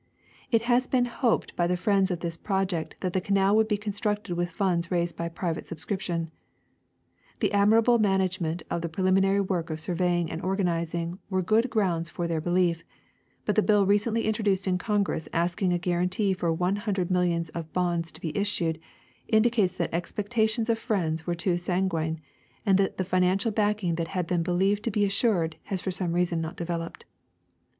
It has been hoped by the friends of this project that the canal would be constructed with funds raised by private subscription. The admirable management of the pre liminary work of surveying and organization were good grounds for their belief; but the bill recently introduced in Congress ask ing a guarantee for one hundred millions of bonds to be issued, indicates that expectations of friends were too sanguine, and that the financial backing that had been believed to be assured has for some reason not been developed.